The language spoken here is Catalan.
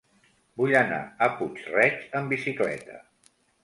Vull anar a Puig-reig amb bicicleta.